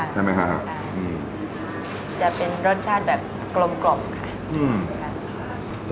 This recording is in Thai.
ใช่ไหมคะอืมจะเป็นรสชาติแบบกลมกล่อมค่ะอืมค่ะ